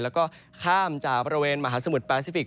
แล้วก็ข้ามจากบริเวณมหาสมุทรแปซิฟิก